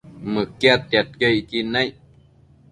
Mëquiadtiadquio icquid naic